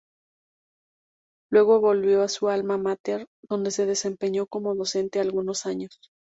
Luego volvió a su alma mater donde se desempeñó como docente algunos años.